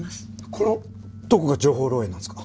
これのどこが情報漏洩なんですか？